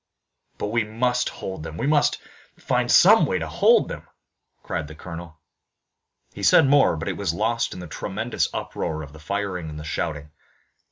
"But we must hold them! We must find some way to hold them!" cried the colonel. He said more, but it was lost in the tremendous uproar of the firing and the shouting.